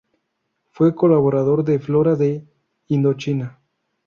Fue colaborador de Flora de Indochina.